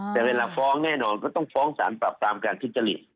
แต่เวลาฟ้องแน่นอนก็ต้องฟ้องสารปรับปรามการทุจริต